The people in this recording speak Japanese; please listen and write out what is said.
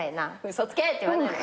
「嘘つけ！」って言わないの？